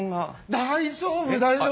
大丈夫大丈夫。